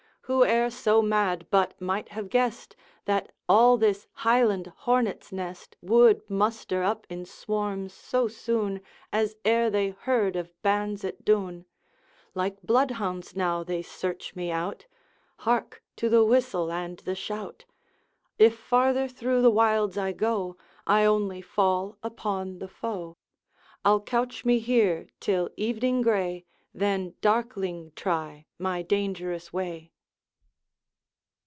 Who e'er so mad but might have guessed That all this Highland hornet's nest Would muster up in swarms so soon As e'er they heard of bands at Doune? Like bloodhounds now they search me out, Hark, to the whistle and the shout! If farther through the wilds I go, I only fall upon the foe: I'll couch me here till evening gray, Then darkling try my dangerous way.'